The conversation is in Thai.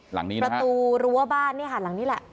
ประตูรั้วบ้านหลังนี้แหละ